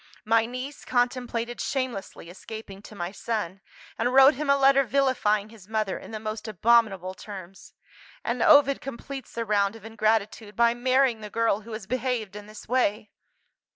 My niece contemplated shamelessly escaping to my son, and wrote him a letter vilifying his mother in the most abominable terms. And Ovid completes the round of ingratitude by marrying the girl who has behaved in this way.